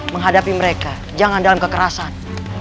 menghadapi mereka jangan dalam kekerasan